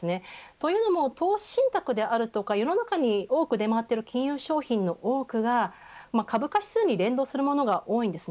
というのも投資信託であるとか世の中に多く出回っている金融商品の多くが株価指数に連動するものが多いです。